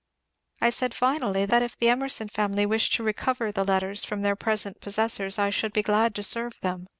I said finally that if the Emerson family wished to recover the EMERSON CARLYLE LETTERS 411 letters from their present possessors I should be glad to serve them.